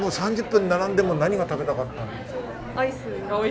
３０分並んでも何が食べたかったんですか？